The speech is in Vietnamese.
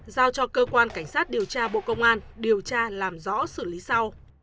giao cho cơ quan cảnh sát điều tra bộ công an điều tra làm rõ xử lý sau